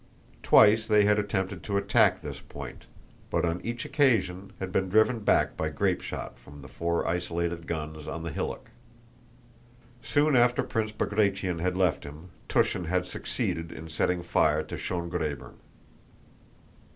Twice they had attempted to attack this point, but on each occasion had been driven back by grapeshot from the four isolated guns on the hillock. Soon after Prince Bagratión had left him, Túshin had succeeded in setting fire to Schön Grabern.